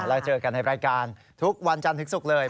แล้วเจอกันในรายการทุกวันจันทร์ถึงศุกร์เลย